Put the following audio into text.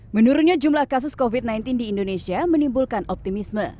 menurutnya jumlah kasus covid sembilan belas di indonesia menimbulkan optimisme